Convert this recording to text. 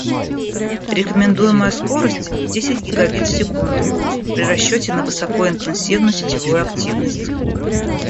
Рекомендуемая скорость десять гигабит в секунду при расчете на высокоинтенсивную сетевую активность